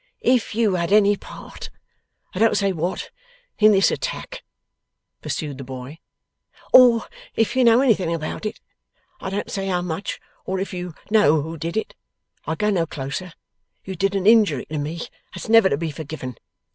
'If you had any part I don't say what in this attack,' pursued the boy; 'or if you know anything about it I don't say how much or if you know who did it I go no closer you did an injury to me that's never to be forgiven.